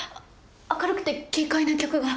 明るくて軽快な曲が。